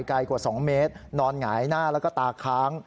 ไกลกว่า๒เมตรนอนหงายหน้าแล้วก็ตาค้าง